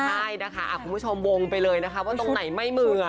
ใช่นะคะคุณผู้ชมวงไปเลยนะคะว่าตรงไหนไม่เหมือ